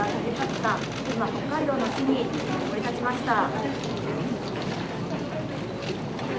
今北海道の地に降り立ちました。